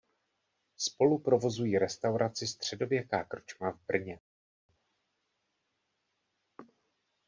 Spolu provozují restauraci Středověká krčma v Brně.